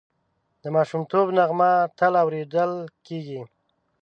د ماشومتوب نغمه تل اورېدل کېږي